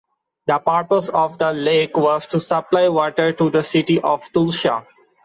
The purpose of the lake was to supply water to the city of Tulsa.